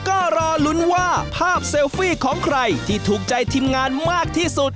ก็รอลุ้นว่าภาพเซลฟี่ของใครที่ถูกใจทีมงานมากที่สุด